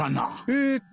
えっと。